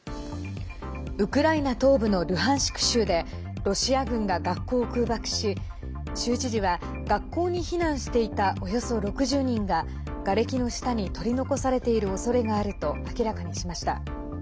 ウクライナ東部のルハンシク州でロシア軍が学校を空爆し州知事は学校に避難していたおよそ６０人ががれきの下に取り残されているおそれがあると明らかにしました。